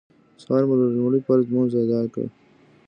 سهار مو لومړی فرض لمونځ اداء کړ.